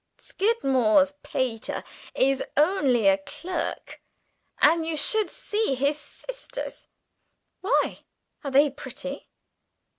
Skidmore's pater is only a clerk, and you should see his sisters!" "Why, are they pretty?"